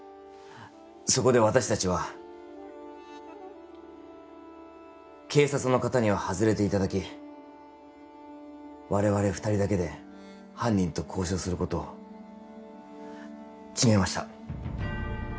そこで私達は警察の方には外れていただき我々二人だけで犯人と交渉することを決めました